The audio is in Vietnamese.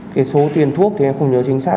cái số tiền thuốc thì em không nhớ chính xác